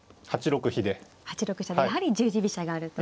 ８六飛車でやはり十字飛車があると。